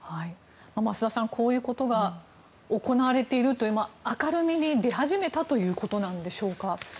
増田さん、こういうことが行われているという明るみに出始めたということなんでしょうか。